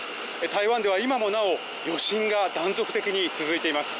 台湾では今もなお余震が断続的に続いています。